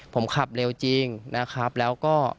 ผมขับเร็วจริงนะครับแล้วก็